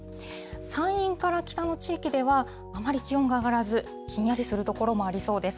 山陰から北の地域では、あまり気温が上がらず、ひんやりする所もありそうです。